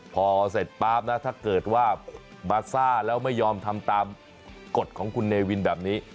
พอเสร็จป๊าบนะถ้าเกิดว่าบาซ่าแล้วไม่ยอมทำตามกฎของคุณเนวินแบบนี้